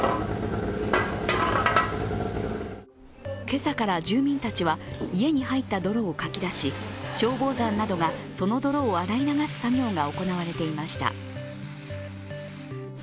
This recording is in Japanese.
今朝から住民たちは家に入った泥をかき出し消防団などがその泥を洗い流す作業が行われていました。